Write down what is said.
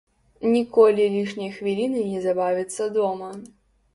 Ніколі лішняй хвіліны не забавіцца дома.